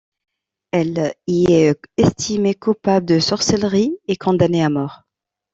Elle y est estimée coupable de sorcellerie, et condamnée à mort.